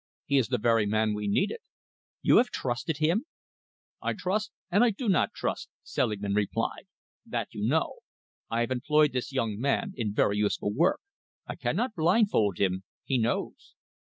He is the very man we needed." "You have trusted him?" "I trust or I do not trust," Selingman replied. "That you know. I have employed this young man in very useful work. I cannot blindfold him. He knows."